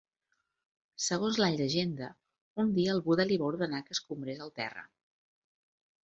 Segons la llegenda, un dia el Buda li va ordenar que escombrés el terra.